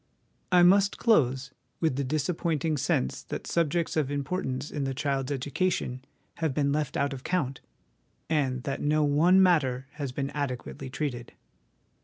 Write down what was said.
I must close, with the disappointing sense that subjects of importance in the child's education have been left out of count, and that no one matter has been adequately treated.